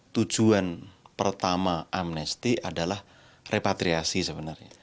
tujuan pertama amnesti adalah repatriasi sebenarnya